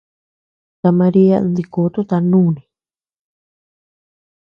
Ta Maria dikututa nuni.